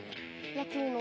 野球の。